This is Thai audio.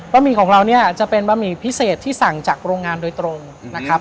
หมี่ของเราเนี่ยจะเป็นบะหมี่พิเศษที่สั่งจากโรงงานโดยตรงนะครับ